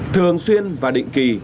thường xuyên và định kỳ